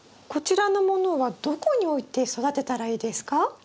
こちらのものはどこに置いて育てたらいいですか？